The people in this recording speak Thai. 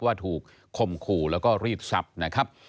ว่าถูกคมขู่แล้วก็รีบสับนะครับ